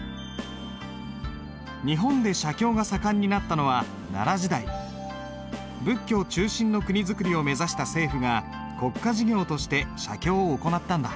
日本で写経が盛んになったのは仏教中心の国づくりを目指した政府が国家事業として写経を行ったんだ。